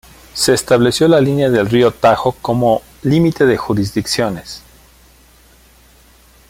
Se estableció la línea del río Tajo como límite de jurisdicciones.